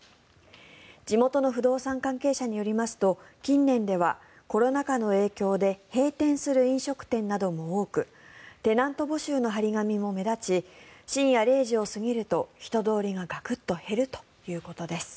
地元の不動産関係者によりますと近年ではコロナ禍の影響で閉店する飲食店なども多くテナント募集の貼り紙も目立ち深夜０時を過ぎると人通りがガクッと減るということです。